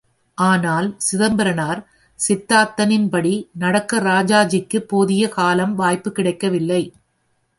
ஆனால், சிதம்பரனார் சித்தாந்தத்தின் படி நடக்க ராஜாஜிக்குப் போதிய கால வாய்ப்புக் கிடைக்கவில்லை.